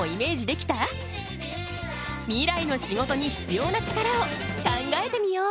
ミライの仕事に必要なチカラを考えてみよう。